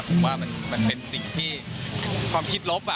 ผมว่ามันเป็นสิ่งที่ความคิดลบ